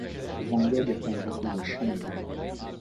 Van Gogh a peint beaucoup de champs de blé.